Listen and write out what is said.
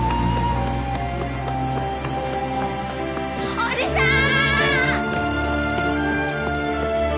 おじさん！